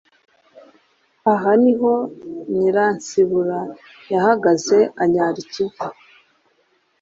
Aha niho Nyiransibura yahagaze anyara i Kivu